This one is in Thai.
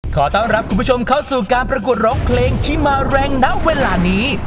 ขอต้อนรับคุณผู้ชมเข้าสู่การประกวดร้องเพลงที่มาแรงณเวลานี้